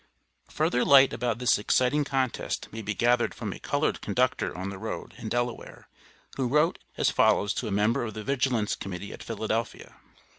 Further light about this exciting contest, may be gathered from a colored conductor on the Road, in Delaware, who wrote as follows to a member of the Vigilance Committee at Philadelphia.